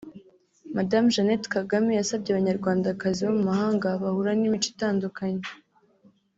Madamu Jeannette Kagame yasabye Abanyarwandakazi bo mu mahanga bahura n’imico itandukanye